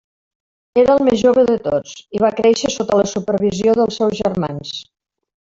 Era el més jove de tots, i va créixer sota la supervisió dels seus germans.